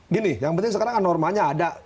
gini yang penting sekarang kan normanya ada